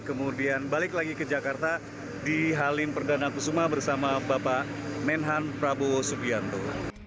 kemudian balik lagi ke jakarta di halim perdana kusuma bersama bapak menhan prabowo subianto